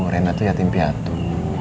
rena tuh yatim piatu